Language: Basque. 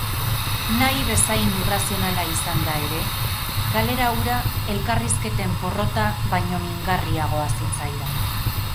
Nahi bezain irrazionala izanda ere, galera hura elkarrizketen porrota baino mingarriagoa zitzaidan.